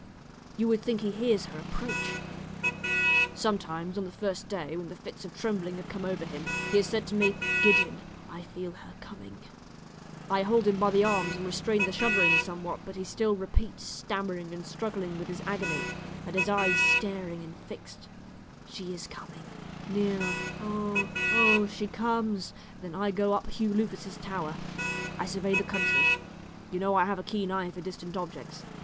You would think he hears her approach. Sometimes on the first day, when the fits of trembling have come over him, he has said to me, 'Gideon, I feel her coming.' I hold him by the arms and restrain the shuddering somewhat, but he still repeats, stammering and struggling with his agony, and his eyes staring and fixed, 'She is coming nearer oh oh she comes!' Then I go up Hugh Lupus's tower; I survey the country. You know I have a keen eye for distant objects.